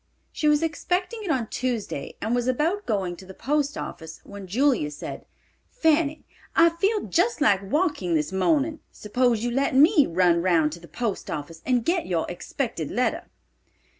She was expecting it on Tuesday and was about going to the post office, when Julia said, "Fanny, I feel just like walking this morning; suppose you let me run round to the post office and get your expected letter."